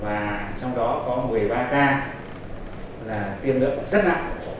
và trong đó có một mươi ba ca là tiêm lượng rất nặng